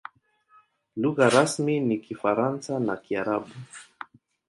Lugha rasmi ni Kifaransa na Kiarabu.